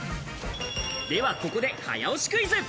ではここで早押しクイズ。